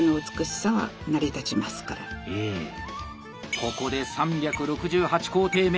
ここで３６８工程目。